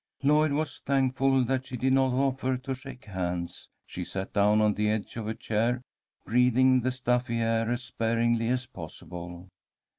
Lloyd was thankful that she did not offer to shake hands. She sat down on the edge of a chair, breathing the stuffy air as sparingly as possible.